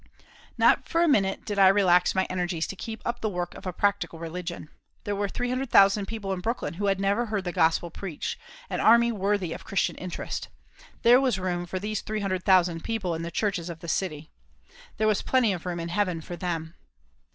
Not for a minute did I relax my energies to keep up the work of a practical religion. There were 300,000 people in Brooklyn who had never heard the Gospel preached, an army worthy of Christian interest. There was room for these 300,000 people in the churches of the city. There was plenty of room in heaven for them.